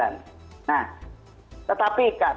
nah tetapi kak